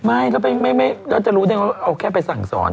ไม่เราจะรู้ได้เอาแค่ไปสั่งสอน